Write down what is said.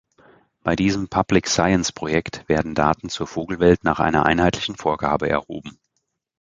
Bei diesem Public Science-Projekt werden Daten zur Vogelwelt nach einer einheitlichen Vorgabe erhoben.